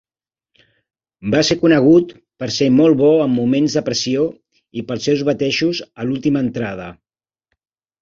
Va ser conegut per ser molt bo en moments de pressió i pels seus batejos a l'última entrada.